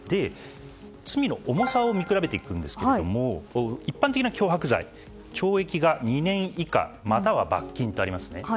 罪の重さを見比べていくんですけど一般的な脅迫罪は懲役が２年以下または罰金とありますね。